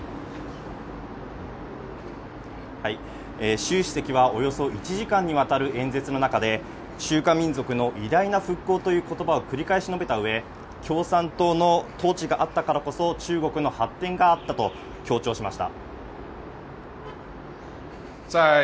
シュウ主席はおよそ１時間にわたる演説の中で「中華民族の偉大な復興」という言葉を繰り返し述べたうえ、共産党の統治があったからこそ、中国の発展があったと強調しました。